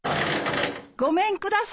ごめんください。